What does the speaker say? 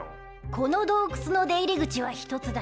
この洞窟の出入り口は１つだけ。